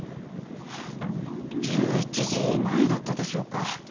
１１時前だったでしょうか。